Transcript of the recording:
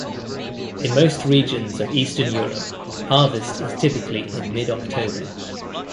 In most regions of Eastern Europe harvest is typically in mid October.